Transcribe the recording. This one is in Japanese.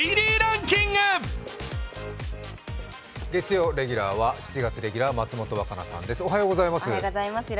月曜レギュラーは７月レギュラー、松本若菜さんです。